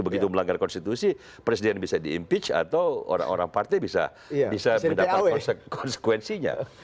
begitu melanggar konstitusi presiden bisa diimpeach atau orang orang partai bisa mendapat konsekuensinya